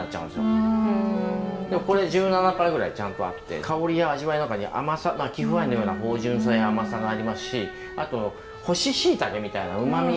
でもこれ１７％ぐらいちゃんとあって香りや味わいの中に甘さまあ貴腐ワインのような芳じゅんさや甘さがありますしあと干しシイタケみたいなうまみがあるんですね。